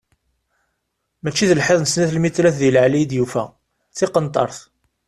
Mačči d lḥiḍ n snat lmitrat di leɛli i d-yufa, d tiqenṭert!